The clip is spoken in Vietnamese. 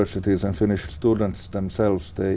chắc chắn là